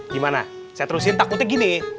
gimana saya terusin takutnya gini